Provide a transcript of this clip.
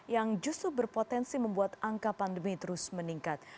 yang justru berpotensi membuat angka pandemi terus meningkat